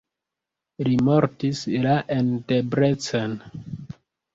Li mortis la en Debrecen.